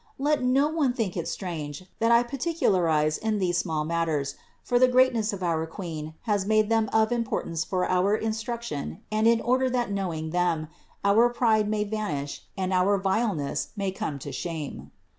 Let no one think it strange that I particularize in these small matters; for the greatness of our Queen has made them of importance for our instruction and in order that knowing of them, our pride may vanish and our vile ness may come to shame.